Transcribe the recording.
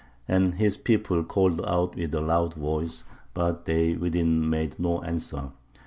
And his people called out with a loud voice, but they within made no answer.